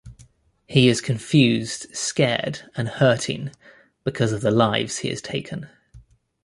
He is confused, scared and hurting because of the lives he has taken.